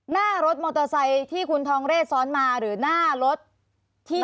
หน้ารถมอเตอร์ไซค์ที่คุณทองเรศซ้อนมาหรือหน้ารถที่